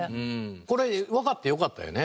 これわかってよかったよね。